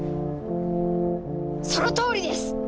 そのとおりです！